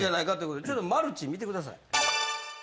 ちょっとマルチ見てください。